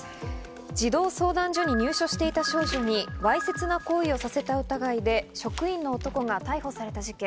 児童相談所に入所していた少女にわいせつな行為をさせた疑いで職員の男が逮捕された事件。